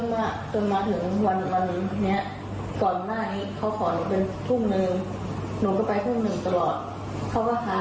มาดูทางฝั่งครอบครัวของผู้เสี่ยชีวิตเนี่ยนะครับอันนี้คือในสมชายนะคะ